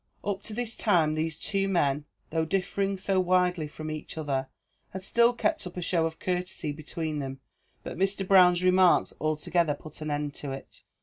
Up to this time these two men, though differing so widely from each other, had still kept up a show of courtesy between them; but Mr. Brown's remarks altogether put an end to it.